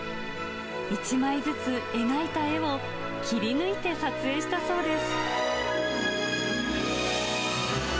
一枚ずつ描いた絵を切り抜いて撮影したそうです。